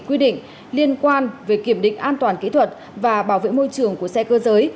quy định liên quan về kiểm định an toàn kỹ thuật và bảo vệ môi trường của xe cơ giới